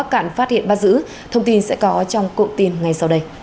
cho đối tượng sau đây